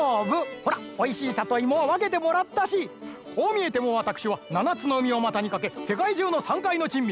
ほらおいしいさといもはわけてもらったしこうみえてもわたくしはななつのうみをまたにかけせかいじゅうのさんかいのちんみ